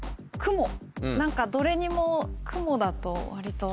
何かどれにもクモだと割と。